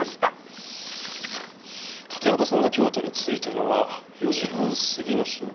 立岡さんが京都に着いたのは４時半過ぎの新幹線。